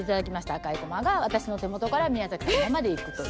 赤いこまが私の手元から宮崎さんまで行くという。